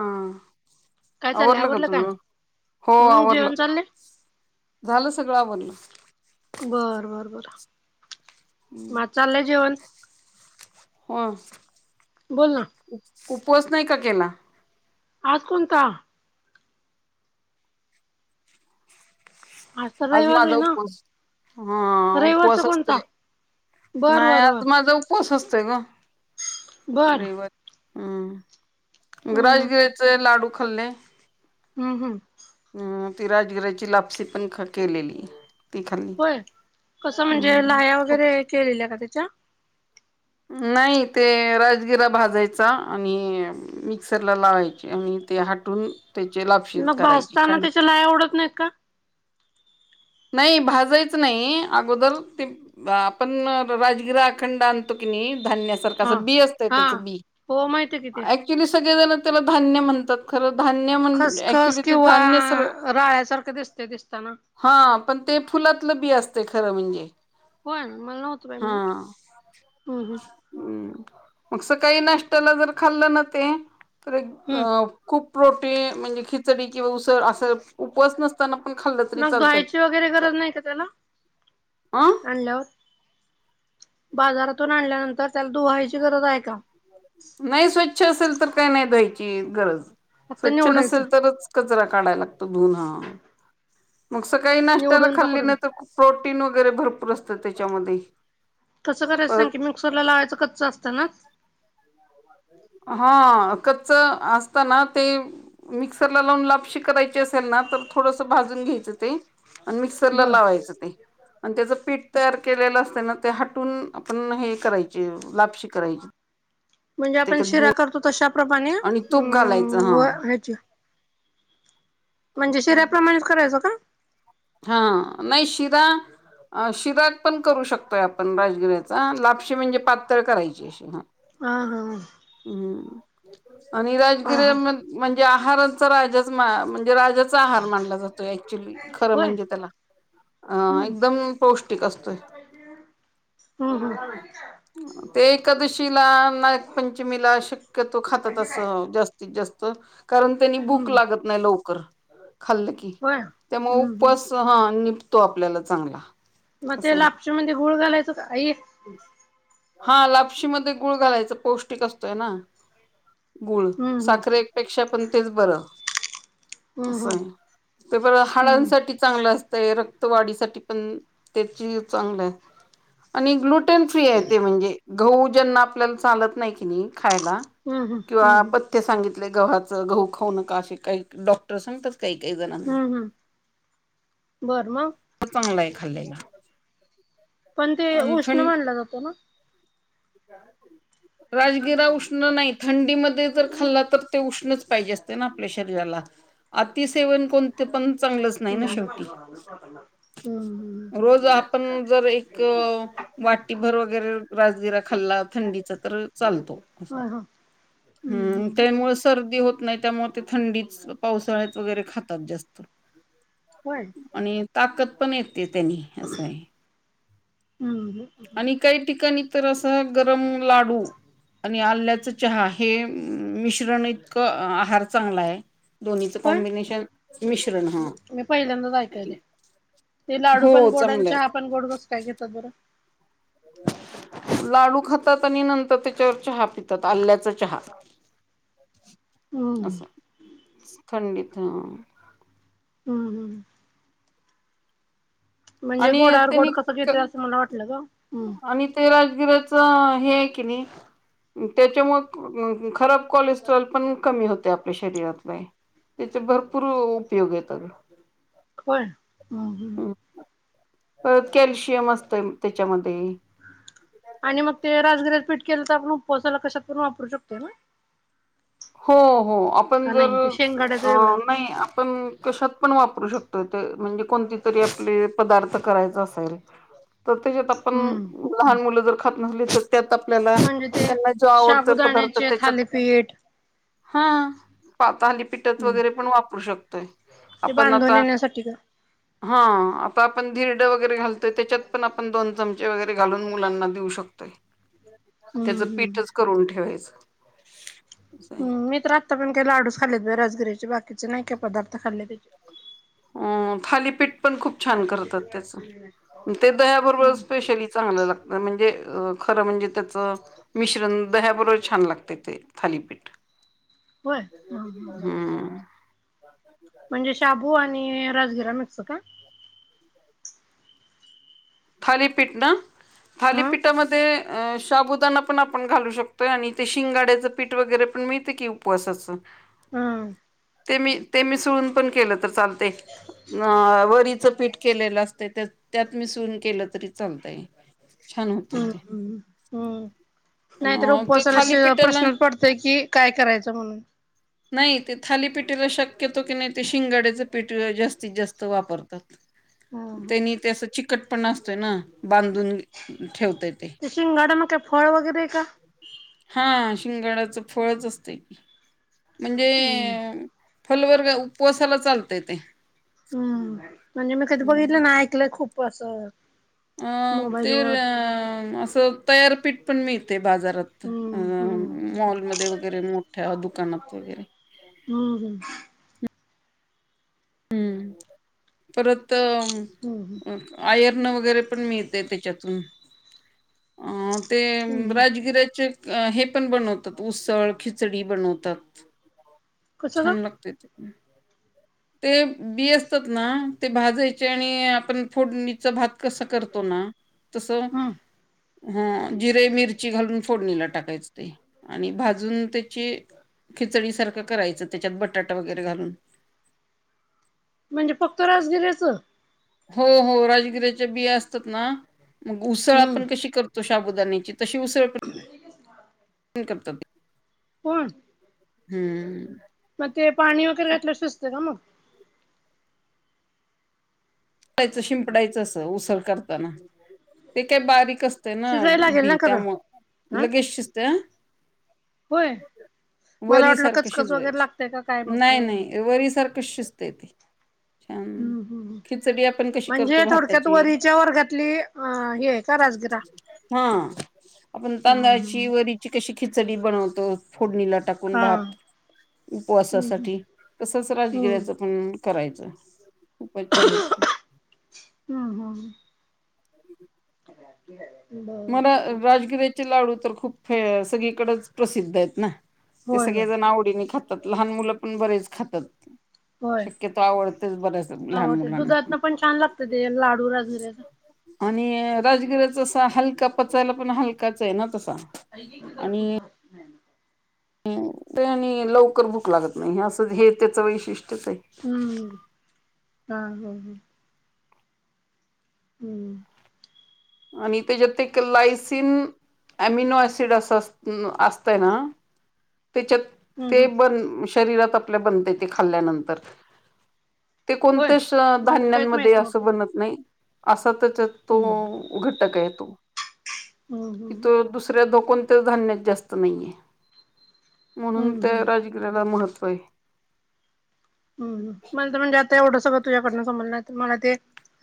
ह काय चाललंय आवरलं का काय? तुझ हो हम्म आवरलं जेवण चाललंय झालं सगळं आ बनलं बरं बर बरं म चाललंय जेवण हो बोल ना उपवास नाही का केला आज कोणता तर आज रविवार माझा आहे ना उपवास हा रविवारचा उपवास कोणता? असते बर नाही बर बर आज माझा उपस असतय ग बर हम् हम्म राजगिराचं लाडू खाल्णे हम्म हम्म अ ती राजगराची लापसी पण केलेली ती खाल्ली होय कसं म्हणजे हम्म लाया खूप वगैरे केलेल्या का त्याच्या नाही ते राजगिरा भाजायचा आणि मिक्सर ला लावायचे आणि ते हटून त्याचे लापशी करायची छान का आवडत नाही का नाही भाजायच नाही अगोदर ते आपण राजगिरा अखंड आणतो की धान हा बी असत हा त्या बी हो माहितीय कि ते क्चली सगळे जण त्याला धान्य म्हणतात खरं धान्य म्हण खसखस ऍक्च्युली ते किंवा धान्य सर राळ्यासारखं दिसते दिसताना हा पण ते फुलातलं बी असते खरं म्हणजे होय ना मला नव्हतं पेमेंट हम्म मगस काही नाष्ट्तला जर खाल्लं न ते तर एक अ हम्म खूप प्रोटीन म्हणजे खिचडी किंवा उसळ असं उपस नसताना पण खाल्लं तरी चालत वरेर नाही का अं त्याल्यावर बाजारातून आणल्यानंतर त्याला दुहायची गरज आहे का नाही स्वच्छ असेल तर काय नाही दध्हायची गरज फक्त स्वच्छ निवडायचं नसेल तरच कचरा काढायला लागतो धुून हा मग सकाळी नाष्टत्याला निवडून खाल्ली पकडून नाही तर प्रोटीन वगैरे भरपूर असतं त्याच्यामध्ये कसं करायचं सां परत की मिक्सर लावायचं कच असत ना हा अ कचच असताना ते मिक्सरला लावून लापशी करायची असेल ना तर थोडस भाजून घ्यायचं ते आणि मिक्सरला बर लावायचं ते आणि त्याचं पीठ तयार केलेलं असते ना ते हटून आपण हे करायचे लापशी करायची म्हणजे आपण त्याच्यात गुळ शिरा करतो तशाप्रमाणे आणि अ तूप घालायचं व हा ह्याची म्हणजे शेऱ्याप्रमाणेच करायचं का हा नाही शिरा अ शिराग पण करू शकतोय आपण राजगिऱ्याचा लापशी म्हणजे पातळ करायची कष ह ह ह हम्म आणि हा हा राजगिर्या म म्हणजे आहारांचा राजाच म्हणजे राजाचा आहार मानला जातो ऍक्च्युली खरं होय म्हणजे त्याला अ हम्म एकदम पौष्टिक असतोय हम् हम ते एकादशीला नागपंचमीला शक्यतो खातात असं जास्त जास्त कारण त्यांनी भूक हम्म लागत नाही लवकर खाल्लं की हो त्यामुळे उपस ह निपतो आपल्याला चांगला मग ते असं आहे लापच्या मध्ये गुळ घालायचं का हा लापशीमध्ये गुळ घालायचं पौष्टिक असतोय ना गूळ हम्म हम्म साखरे ेक्षा पण तेच बर अस हम्म हम्म हाडांसाठी चांगलं असतंय रक्तवाढीसाठी पण त्याची चांगलं आहे आणि ग्लुटेन फ्री आहे म्हणजे ग जना आपल्या चालत नाही की खायला हम्म हम्म हम्म हम्म किंवा ते सांगितले गव्हाचं गहू खाऊ नका असे काही डॉक्टर सांगतात काही काही जण हम्म हम् बरम होत मगलाय खाल्ले का पण ते उष्ण मानलं जातं ना राजगिरा उष्ण नाहीत थंडीमध्ये जर खाल्ला तर ते उष्णच पाहिजे असते ना आपल्या शरीराला अतिसेवन कोण ते पण चांगलंच नाही ना शेवटी हम्म रोज आपण जर एक वाटीभर वगैरे राजगिरा खाल्ला थंडीचा तर चालतो अस ह ह हम ते हम्म सर्दी होत नाही त्यामुळे ते थंडी पावसाळ्यात वगैरे खातात जास्त होण आणि ताकद पण येतते त्यांनी असं आहे ह आणि काही ठिकाणी तर असं गरम लाडू आणि आल्याचा चहा आहे हे मिश्रण इतकं आहार चांगला आहे दोन्हीच होय कॉम्बिनेशन मिश्रण हा मी पहिल्यांदाच ऐकायले. ते लाडू हो पण गोड आणि चांगलं आहे चहा पण गोडगस काय घेतात बरं लाडू खातात आणि नंतर त्याच्यावर चहा पितात आल्याचा चहा हम्म असं खंडित ह हम्म हम् म्हणजे आणि गोड्यावर गोड त्यांनी कसं घेते असं मला वाटलं ग आणि ते राजगिऱ्याच हे आहे कि नाही त्याच्यामु खराब कोलेस्ट्रॉल पण कमी होते आपल्या शरीरातला त्याचे भरपूर उपयोग येतात खर हम हम पर कॅल्शियम असतं त्याच्यामध्ये आणि मग ते राजगऱ्यास पीठ केलं तर आपण उपवासाला कशात पण वापरू शकतो ना हो हो आपण का जर नाही ते शेंगाड्याच वेगळं असतं नाही आपण कशात पण वापरू शकतो ते म्हणजे कोणती तरी आपले पदार्थ करायचा असेल तर त्याच्यात आपण हम्म लहान मुलं जर खात नसली तर त्यात आपल्याला म्हणजे त्यांना जो आवडतो पदार्थ त्याच्यात भीठ हा पातहाली पिटत हम्म. वगैरे पण वापरू शकतो ते आपण बांधून आता येण्यासाठी का? हा आता आपण धिरड वगैरे घालतोय त्याच्यात पण आपण दोन चमचे वगैरे घालून मुलांना देऊ शकतोय त्याच हम्म हम्म. पीठच करून ठेवायचं असं आहे. ह् मी तर आत्ता पण काही लाडूस खाल्ले रजगिरीचे बाकीचे नाही का पदार्थ खाल्ले त्याचे थाली पेट पण खूप छान करतात त्याच ते दह्याबरोबर हम्म. स्पेशली चांगलं लागत म्हणजे खरं म्हणजे त्याचं मिश्रण दह्याबरोबर छान लागते ते थालीपीठ होय हा हा म्हणजे शाबू आणि राजगिरा मिकस का थालीपीठ ना हा. थालीपीठामध्ये अ शाबुदाना पण आपण घालू शकतोय आणि ते शिंगाड्याचं पीठ वगैरे पण मिळते की उपवासाचं हम्म ते मी ते मी सडून पण केलं तर चालते अ वरीचं पीठ केलेलं असत त्यात मी सु केलं तरी चालतय छान होते हम्म ते हम्म हम्म नाहीतर अ ते उपवासाला अस थालीपीठाला प्रश्नच पडतय कि काय करायचं म्हणून नाही ते थाली पिटीला शक्यतो की नाही ते शिंगाड्याचं पिठ जास्तीत जास्त वापरतो हा त्यांनी हा. तें चिकट पण असतय ना बांधून ठेवतायेत ते शिंगगाडा मग काय फळ वगैरे का हा शिंगडचं फळच असते क म्हणजे हम्म. फलवर्ग उपवासाला चालतय ते हम्म म्हणजे मी कधी हं. बघितलं ना ऐकलंय खूप असं अ ते मोबाईल वर. असं तयारपीठ पण मिळते बाजारात अ हम्म हम्म मॉलमध्येध्ये वगैरे मोठ्या दुकानात वगैरे हम् हम परत हम्म हम्म. आयर्न वगैरे पण मिळतेय त्याच्यातून अ ते हम्म राजगिऱ्याचे अ हे पण बनवतात उसळ खिचडी बनवतात कसं ग? छान लागते ते ह ते बी असतात ना ते भाजायचे आणि आपण फोडणीच भात कसं करतो ना तसं हम्म हा जिरे मिरची घालून फोडणीला टाकायच ते आणि भाजून त्याची खिचडीसारखं करायचं त्याच्यात बटाटा वगैरे घालून म्हणजे फक्त रास गेल्याच हो हो राजगिऱ्याच्या बिया असतात ना मग उसळ हम्म आपण कशी करतो तो शाबुदानीची तशी उस आहे करतात कोण हम्म मग ते पाणी वगैरे घलं शचते का मग च शिंपडायचं अस उसळ करताना ते काय बारीक अस ना शिजाय लागेल बी ना खरं त्यामु हा लगेच शिस्त होय मला वरी वाटलं सारखं कचकच वगैरे शिजवायच लागतय का काय मग नाही नाही हम्म व सारख कश्यस्ते ते छान हम् हम खिचडी आपण कशी करतो म्हणजे थोडक्यात भाताची वरीच्या वर्गातली अ हे आहे का राजगिरा हा आपण हम्म तांदळाची हम्म वरीची कशी खिचडी बनवतो फोडणीला टाक हा भात हम्म उपवासासाठी कसच हम्म राजगिरा्याचं पण करायचं खूपच छान होत हम्म हम्म ह बर बर राजगिऱ्याचे लाडू तर खूप सगळीकडेच प्रसिद्ध आहेत ना ते होय सगळे होय जण आवडीने खात त लहान मुलं पण बरेच खातात होय शक्यतो आवडतेच बऱ्याच लहान आवडते मुलांना पण दुधातन छान लागत ते लाडू राजगिऱ्याच आणि राजगिराचा हलका पचायला पण हलकाच आहे ना तसा पा क करतो भ नाही ह आणि लवकर भूक लागत नाही असं हे त्याचं वैशिष्ट्यच आहे हम्म हा हम् हम् हम्म आणि त्याच्यात ते लायसिन अमिनो सिड अस असतय ना त्याच्यात हम्म ते हम्म बन शरीरात आपल्या बनते ते खाल्ल्यानंतर ते होय कोणत्याच मला तर काहीच धान्यांमध्ये माहित असं नव्हतं. बनत नाही असा तरच तो हम्म. उघटक आहे तो हम्म की हम्म तो दुसऱ्या डोकन ते धान्यात जास्त नाहीये म्हणून हम्म त्या हम्म. राजगिराला महत्त्व आहे हम् मला तर म्हणे आता एवढं सगळं तुझ्याडन समजलं तर मला ते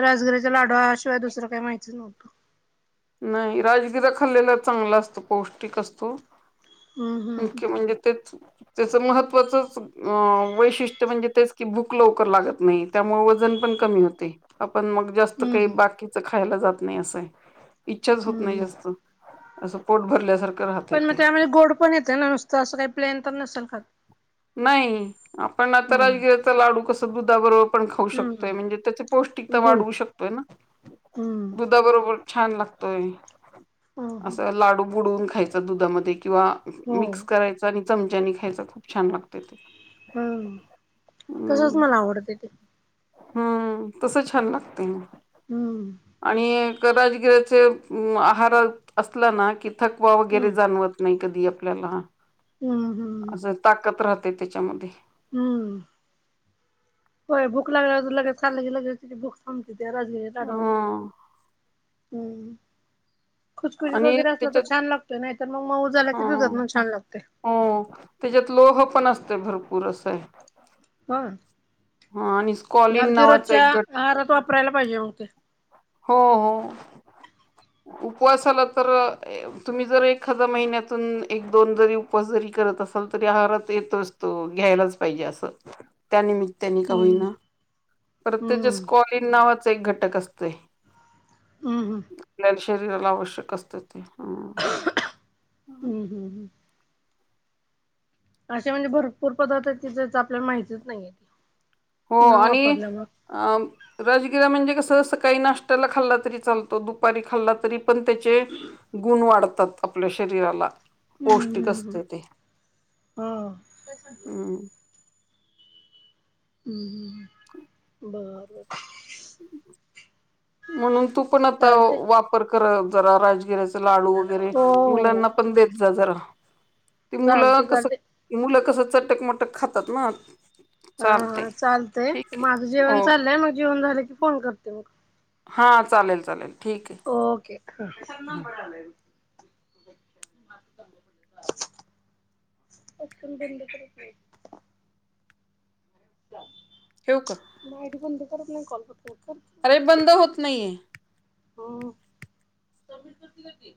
राजसघरीराच्या लाडूवाशिवाय दुसरं काही माहिितच नव्हतं नाही राजगिरा खाल्लेला चांगला असतो पौष्टिक असतो हम्म हम्म मुख्य म्हणजे तेच त्याच महत्त्वाचच अ वैशिष्ट्य म्हणजे तेच की भूक लवकर लागत नाही त्यामुळे वजन पण कमी होते आपण मग जास्त हम्म काही हम्म बाकीचं खायला जात नाही असंय इच्छाच होत हम्म नाही हम्म. जास्त असं पोट भरल्यासारखं राहतय पण मग ते त्यामध्ये गोड पण येते ना नुसतं असं काही प्लेन तर नसेल का नाही आपण आता राजगिराचा लाडू कस दुधाबरोबर ण खाऊ हम्म शकतोय म्हणजे त्या पौष्टता गुळ वाढू शकतोय ना हम्म दुधाबरोबर छान लागतोय हो असं लाडू बुडवून खायचा दुधामध्ये किंवा हो. मिक्स करायच आणि चमच्यानी खायच खूप छान लागत ते हम्म तसच हम्म मला आवडतं ते हम्म तस छान लागते म हम् आणि राजगिरा्याचे आहार असला ना कि थकवा वगैरे हम्म जाणवत नाही कधी आपल्याला हम हम असं ताकत राहते त्याच्यामध्ये हम्म होय भूक लाग लगे लंे लगे भक आमती त्या राजग लाड अ हम्म खुचखुचीत आणि वगैरे असलं त्याच्यात तर छान लागतो नाही तर मग मऊ झाला की हा दुधात मग छान लागते हो त्याच्यात लोह पण असते भरपूर असय हा स्कॉलिन अगदी नावाचा रोजच्या एक गट आहारात वापरायला पाहिजे मग ते हो उपवासाला तर तुम्ही जर एखादा महिन्यातून एक दोन जरी उपस जरी करत असाल तरी आहारात येतोच तो घ्यायलाच पाहिजे असं त्यानिमित्ताने का हम्म. होईना प्रत हम्म त्याच्या हम्म स्कॉलिन नावाच एक घटक असतय हं हां शरीराला आवश्यक असत ते हम्म हम्म ह् अे म्हणजे भरपूर पदार्थ आहेत ती त्या आपल्याला माहितीच नाहीयी हो आणि अ राजगिरा म्हणजे कसं असं काही नाश्त्याला खाल्ला तरी चालतो दुपारी खाल्ला तरी पण त्याचे गुण वाढतात आपल्या शरीराला हम्म पौष्टिक हम्म हम्म. असते ते हा हम्म हम् हम्म हम् बरबर म्हणून तू पण आता चालतंय. वापर कर जरा राजगिऱचा लाडू वगैरे हो हो मुलांना हो. पण देत जा जरा त मुलं चालतंय कस चालतंय. मुलं कसं चटकमटक खातात ना हा चालतय हा चालतेय ठीक माझं आहे जेवण हो चाललंय मग जेवण झालं की फोन करते मग हा चालेल चालेल ठीक ओके आहे अून बंद त होव का म आयडी पण द तर नाही कॉल करत कर अरे बंद होत नाहीये हो समीर करती कती